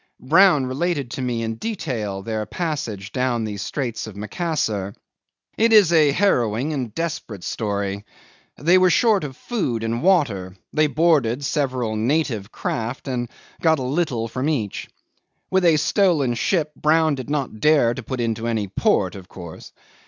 Brown related to me in detail their passage down the Straits of Macassar. It is a harrowing and desperate story. They were short of food and water; they boarded several native craft and got a little from each. With a stolen ship Brown did not dare to put into any port, of course.